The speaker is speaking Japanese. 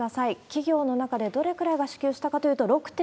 企業の中でどれくらいが支給したかというと６．６％。